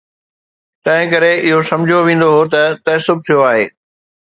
تنهنڪري اهو سمجهيو ويندو ته تعصب ٿيو آهي.